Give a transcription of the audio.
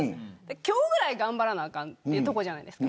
今日ぐらい頑張らなあかんっていうところじゃないですか。